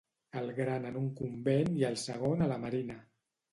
El gran en un convent i el segon a la Marina.